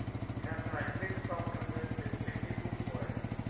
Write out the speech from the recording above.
การถ่ายคลิปต้องคำนึงถึงสิทธิผู้ป่วย